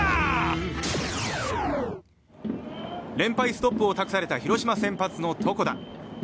ストップを託された広島先発の床田。